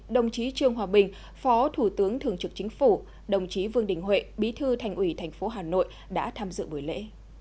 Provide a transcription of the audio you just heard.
đồng chí trương hòa bình phó thủ tướng thường trực chính phủ đồng chí vương đình huệ bí thư thành ủy tp hà nội đã tham dự buổi lễ